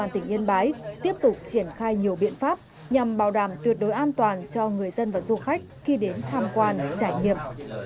tỉnh yên bái tiếp tục triển khai nhiều biện pháp nhằm bảo đảm tuyệt đối an toàn cho người dân và du khách khi đến tham quan trải nghiệm